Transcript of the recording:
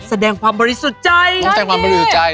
แสดงความบริสุจรใจ